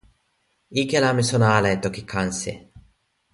ike la mi sona ala e toki Kanse.